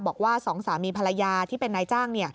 บอกว่าสองสามีภรรยาที่เป็นนายจ้าง